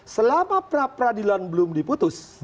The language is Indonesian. selama perapradilan belum diputus